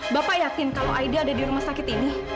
bapak yakin kalau aida ada di rumah sakit ini